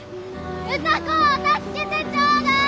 歌子を助けてちょうだい！